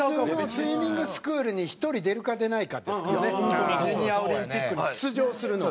普通のスイミングスクールに１人出るか出ないかですからねジュニアオリンピックに出場するのは。